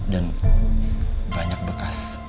dan banyak bekas